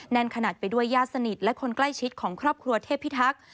นั่นขนาดไปด้วยญาติสนิทและคนใกล้ชิดของครอบครัวเทพิทักษ์